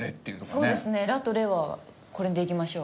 そうですね「ラ」と「レ」はこれでいきましょう。